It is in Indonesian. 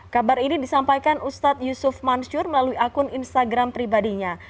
kabar ini disampaikan ustadz yusuf mansur melalui akun instagram pribadinya